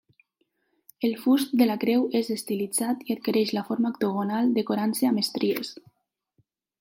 El fust de la creu és estilitzat i adquireix la forma octogonal, decorant-se amb estries.